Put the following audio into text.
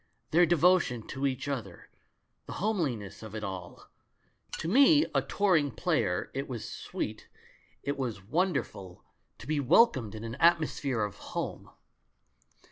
Their devotion to each other, the homeliness of it all! To me, a touring player, it was sweet, it was 28 THE MAN WHO UNDERSTOOD WOMEN wonderful, to be welcomed in an atmosphere of home.